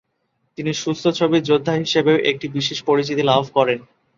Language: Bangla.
তিনি সুস্থ ছবির যোদ্ধা হিসেবেও একটি বিশেষ পরিচিতি লাভ করেন।